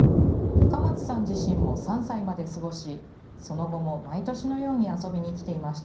深松さん自身も３歳まで過ごし、その後も、毎年のように遊びに来ていました。